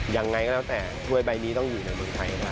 ยังไงก็แล้วแต่ถ้วยใบนี้ต้องอยู่ในเมืองไทยนะ